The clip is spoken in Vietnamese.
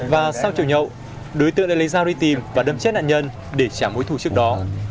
và sau chiều nhậu đối tượng lại lấy dao đi tìm và đâm chết nạn nhân để trả mối thù trước đó